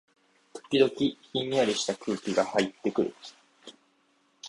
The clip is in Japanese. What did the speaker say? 時々、ひんやりした空気がはいってくる